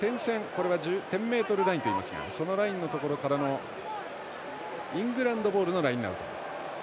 これは１０ｍラインといいますがそのラインのところからのイングランドボールのラインアウト。